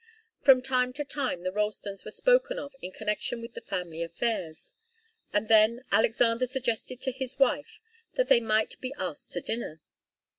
From time to time the Ralstons were spoken of in connection with the family affairs, and then Alexander suggested to his wife that they might be asked to dinner.